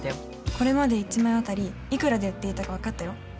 これまで１枚あたりいくらで売っていたかわかったよ。